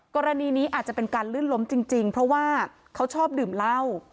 กรณีนี้อาจจะเป็นการลื่นล้มจริงเพราะว่าเขาชอบดื่มเหล้า